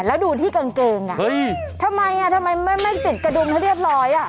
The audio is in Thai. แล้วดูที่กางเกิงทำไมไม่ติดกระดุมทั้งเรียบร้อย